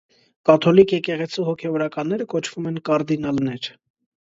Կաթոլիկ եկեղեցու հոգևորականները կոչվում են կարդինալներ։